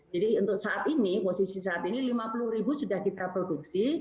jadi untuk saat ini posisi saat ini lima puluh ribu sudah kita produksi